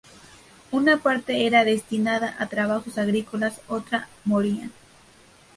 Una parte era destinada a trabajos agrícolas, otra, moría.